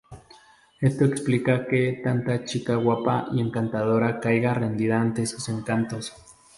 Esto explica que tanta chica guapa y encantadora caiga rendida ante sus encantos.